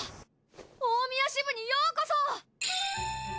大宮支部にようこそ！